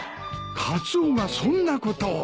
カツオがそんなことを。